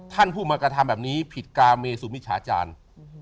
ท่านผู้มากระทำแบบนี้ผิดกาเมสุมิจฉาจารย์